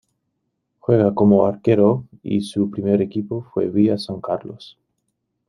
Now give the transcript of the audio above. Juega como arquero y su primer equipo fue Villa San Carlos.